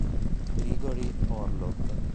Grigorij Orlov